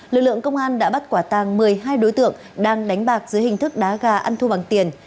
lực lượng công an đã bắt quả tàng một mươi hai đối tượng đang đánh bạc dưới hình thức đá gà ăn thua bằng tiền